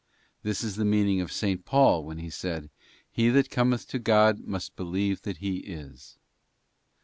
This is the meaning of S. Paul when he said, *' He that cometh to God must believe that He is.